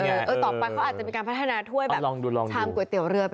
ต่อมาก็อาจจะมีการพัฒนาถ้วยชามก๋วยเตี๋ยวเรือ